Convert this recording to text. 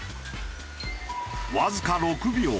わずか６秒。